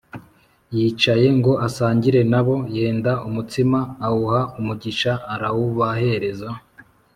Yicaye ngo asangire na bo yenda umutsima awuha umugisha arawubahereza